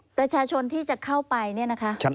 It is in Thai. ประชาชนที่จะเข้าไปเนี่ยนะคะ